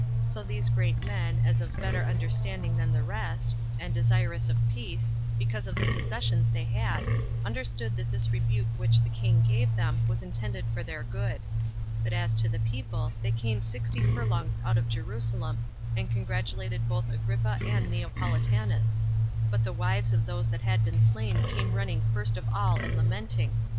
So these great men, as of better understanding than the rest, and desirous of peace, because of the possessions they had, understood that this rebuke which the king gave them was intended for their good; but as to the people, they came sixty furlongs out of Jerusalem, and congratulated both Agrippa and Neopolitanus; but the wives of those that had been slain came running first of all and lamenting.